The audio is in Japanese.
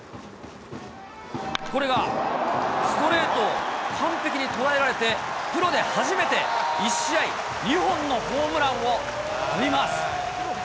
これがストレートを完璧に捉えられて、プロで初めて１試合２本のホームランを浴びます。